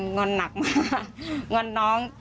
อนหนักมากงอนน้อง